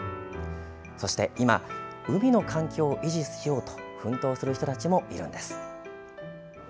そして今海の環境を維持しようと奮闘している人たちもいるんです。